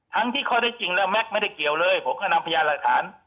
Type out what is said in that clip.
ทั้งที่ข้อได้จริงแล้วแม็กซ์ไม่ได้เกี่ยวเลยผมก็นำพยานหลักฐาน